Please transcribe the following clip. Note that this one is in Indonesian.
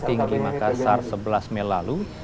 tinggi makassar sebelas mei lalu